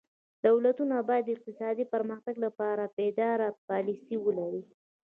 دولتونه باید د اقتصادي پرمختګ لپاره پایداره پالیسي ولري.